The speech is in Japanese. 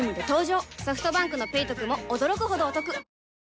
ソフトバンクの「ペイトク」も驚くほどおトク